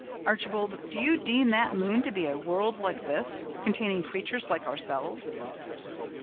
Archibald, do you deem that moon to be a world like this, containing creatures like ourselves?"